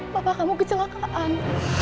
papa kamu kecelakaan